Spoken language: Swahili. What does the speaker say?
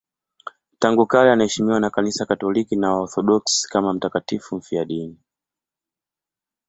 Tangu kale anaheshimiwa na Kanisa Katoliki na Waorthodoksi kama mtakatifu mfiadini.